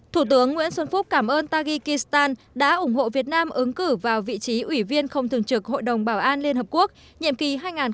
thủ tướng nguyễn xuân phúc cảm ơn taghi kistan đã ủng hộ việt nam ứng cử vào vị trí ủy viên không thường trực hội đồng bảo an liên hợp quốc nhiệm kỳ hai nghìn hai mươi hai nghìn hai mươi một